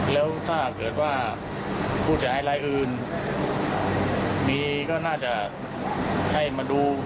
แล้วถ้าเกิดว่าผู้เสียหายรายอื่นมีก็น่าจะให้มาดู